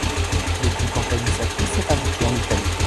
L'équipe organisatrice est indiquée en italique.